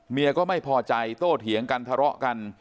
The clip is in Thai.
ก็ไม่พอใจโต้เถียงกันทะเลาะกัน